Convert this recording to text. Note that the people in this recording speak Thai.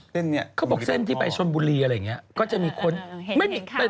เค้าบอกเส้นที่ไปชนบุรีอะไรอย่างนี้